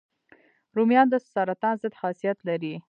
رومیان د سرطان ضد خاصیت لري